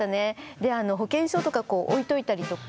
で保険証とかこう置いといたりとか。